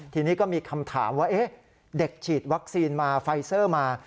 ทีนี้ก็มีคำถามว่าเด็กฉีดวัคซีนมาไฟเซอร์มา